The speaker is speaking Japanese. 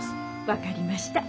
分かりました。